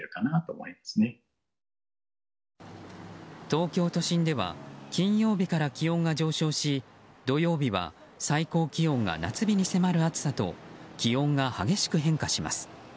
東京都心では金曜日から気温が上昇し土曜日は最高気温が夏日に迫る暑さと気温が激しく変化します。